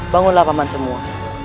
bangunlah paman semua